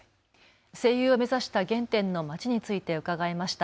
声優を目指した原点の街について伺いました。